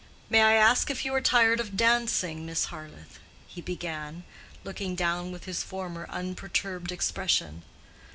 "May I ask if you are tired of dancing, Miss Harleth?" he began, looking down with his former unperturbed expression.